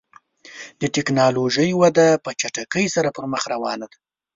د ټکنالوژۍ وده په چټکۍ سره پر مخ روانه ده.